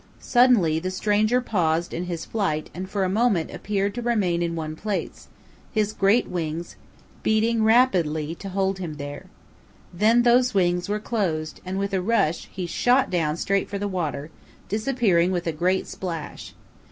Suddenly the stranger paused in his flight and for a moment appeared to remain in one place, his great wings heating rapidly to hold him there. Then those wings were closed and with a rush he shot down straight for the water, disappearing with a great splash.